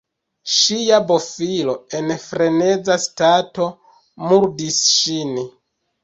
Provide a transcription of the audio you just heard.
Ŝia bofilo (en freneza stato) murdis ŝin.